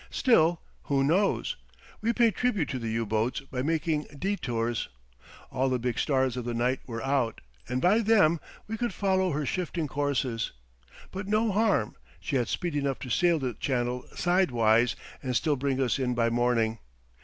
Still, who knows? We paid tribute to the U boats by making détours. All the big stars of the night were out, and by them we could follow her shifting courses. But no harm; she had speed enough to sail the Channel sidewise and still bring us in by morning.